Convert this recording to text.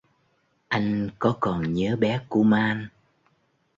Anh có còn nhớ bé kuman